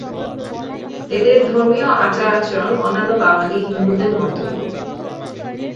এদের ধর্মীয় আচার-আচরণ অন্যান্য বাঙালি হিন্দুদের মতোই।